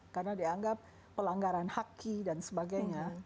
karena dianggap pelanggaran haki dan sebagainya